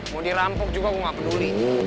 mau dirampok juga gue gak peduli